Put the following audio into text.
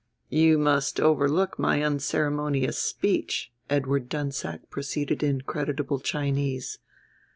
"You must overlook my unceremonious speech," Edward Dunsack proceeded in creditable Chinese.